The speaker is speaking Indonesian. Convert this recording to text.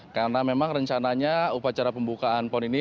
karena memang rencananya upacara pembukaan pon ini